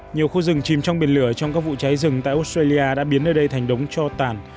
nhiều khu rừng chìm trong biển lửa trong các vụ cháy rừng tại australia đã biến nơi đây thành đống cho tàn